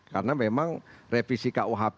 karena memang revisi rukuhp